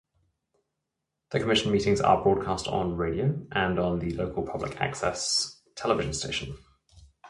The Commission meetings are broadcast on radio and on the local public-access television station.